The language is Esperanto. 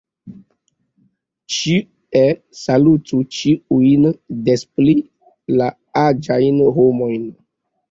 Ĉie salutu ĉiujn, des pli la aĝajn homojn.